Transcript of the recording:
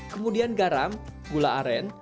kemudian garam gula aren